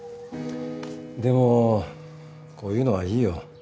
でもこういうのはいいよ。